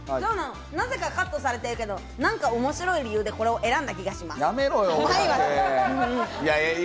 何がカットされてるけど、何か面白い理由でこれを選んだ気がします。